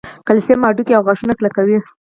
کلسیم هډوکي او غاښونه کلکوي